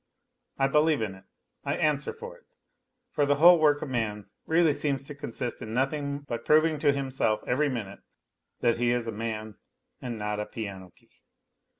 I believe in it, I answer for it, for the whole work of man really seems to consist in nothing but proving to himself every minute that he is a man and not a piano key